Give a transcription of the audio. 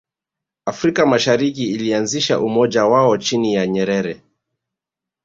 afrika mashariki ilianzisha umoja wao chini ya nyerere